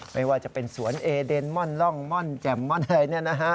ไม่ว่าจะเป็นสวนเอเดนม่อนร่องม่อนแจ่มม่อนอะไรเนี่ยนะฮะ